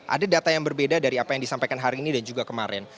ada data yang berbeda dari apa yang disampaikan hari ini dan juga kemarin